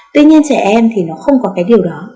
tuy nhiên trẻ em thì nó không có cái điều đó